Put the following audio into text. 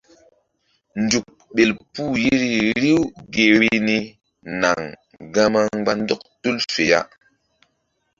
Nzuk ɓel puh yeri riw gi vbi ni naŋ gama mgba ndɔk tul fe ya.